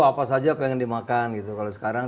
apa saja pengen dimakan gitu kalau sekarang